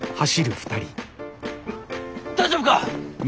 大丈夫か？